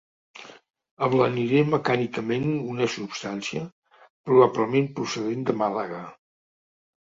Ablaniré mecànicament una substància, probablement procedent de Màlaga.